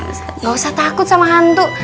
nggak usah takut sama hantu